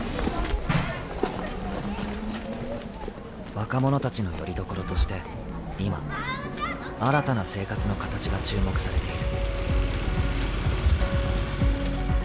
若者たちの拠り所として、今新たな生活の形が注目されている。